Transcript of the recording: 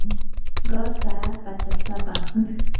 qusaa pachasapam.